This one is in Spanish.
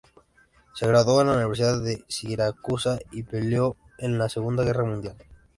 Se graduó en la Universidad de Siracusa y peleó en la Segunda Guerra Mundial.